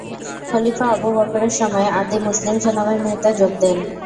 খলিফা আবু বকরের সময়ে আদি মুসলিম সেনাবাহিনীতে যোগ দেন।